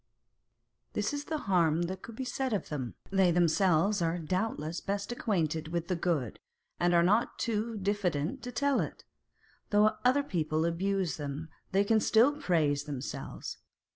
This is the harm that can be said of them : they themselves are doubtless best acquainted with the good, and are not too diffident to tell it. Though other people abuse them, they can still praise themselves